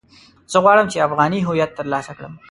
زه غواړم چې افغاني هويت ترلاسه کړم.